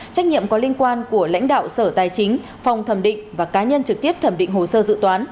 trách nhiệm có liên quan của lãnh đạo sở tài chính phòng thẩm định và cá nhân trực tiếp thẩm định hồ sơ dự toán